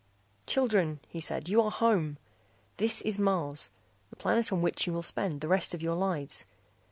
"Children," he said, "you are home. This is Mars, the planet on which you will spend the rest of your lives.